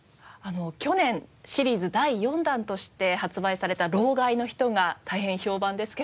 去年シリーズ第４弾として発売された『老害の人』が大変評判ですけれども。